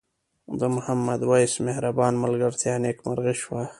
د محمد وېس مهربان ملګرتیا نیکمرغه شوه.